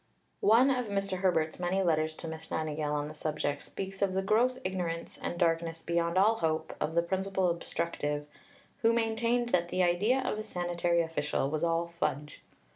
One of Mr. Herbert's many letters to Miss Nightingale on the subject speaks of the "gross ignorance, and darkness beyond all hope" of the principal obstructive, who maintained that the idea of a sanitary official was all fudge.